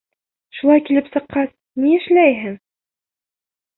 Шулай килеп сыҡҡас, ни эшләйһең?